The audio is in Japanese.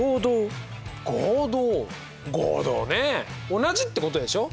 同じってことでしょ？